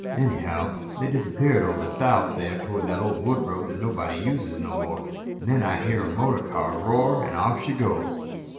Anyhow, they disappeared over south there toward that old wood road that nobody uses no more. An' then I hear a motor car roar an' off she goes."